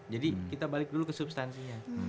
jadi kita balik dulu ke substansinya